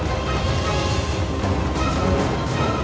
จัดการนี้ด้วยรัฐก่อน